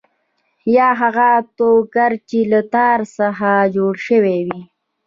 یا هغه ټوکر چې له تار څخه جوړ شوی وي.